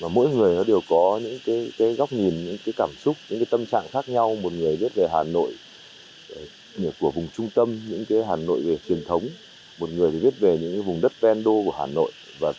mỗi người nó đều có những cái góc nhìn những cái cảm xúc những cái tâm trạng khác nhau một người viết về hà nội